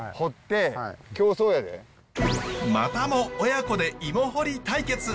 またも親子でイモ掘り対決。